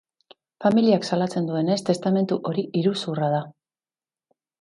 Familiak salatzen duenez, testamentu hori iruzurra da.